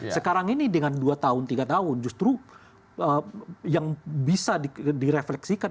sekarang ini dengan dua tahun tiga tahun justru yang bisa direfleksikan